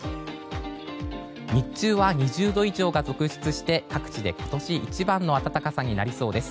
日中は２０度以上が続出して各地で今年一番の暖かさになりそうです。